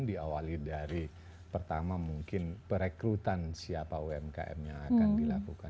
diawali dari pertama mungkin perekrutan siapa umkm yang akan dilakukan